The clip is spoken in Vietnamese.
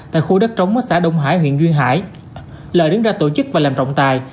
tại khu đất trống xã đông hải huyện duyên hải lợi đứng ra tổ chức và làm rộng tài